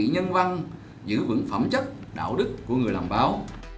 giá trị nhân văn giữ vững phẩm chất đạo đức của người làm báo